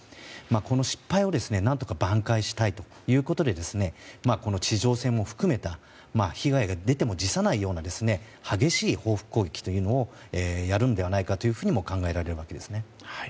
この失敗を何とか挽回したいということでこの地上戦を含めた被害が出ても辞さないような激しい報復攻撃というのをやるのではないかというふうにも考えられるわけですね。